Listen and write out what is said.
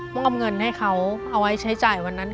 มอบเงินให้เขาเอาไว้ใช้จ่ายวันนั้น